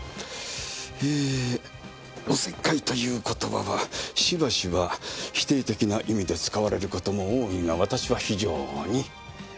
えーお節介という言葉はしばしば否定的な意味で使われる事も多いが私は非常に。